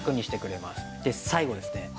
で最後ですね。